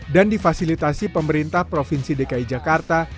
dan difasilitasi pemerintah provinsi dki jakarta